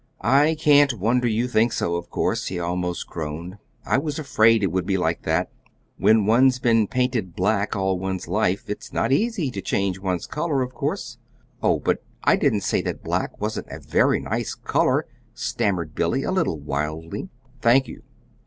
"I can't wonder you think so, of course," he almost groaned. "I was afraid it would be like that. When one's been painted black all one's life, it's not easy to change one's color, of course." "Oh, but I didn't say that black wasn't a very nice color," stammered Billy, a little wildly. "Thank you."